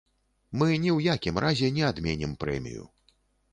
Мы ні ў якім разе не адменім прэмію.